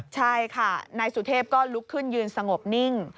ใช่ค่ะนายสุเทพก็ลุกขึ้นยืนสงบนิ่ง